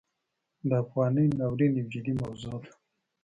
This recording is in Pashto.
د افغانۍ ناورین یو جدي موضوع ده.